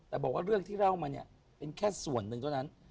แต่เรื่องที่เล่ามาเป็นแค่ส่วนนึงเท่านั้น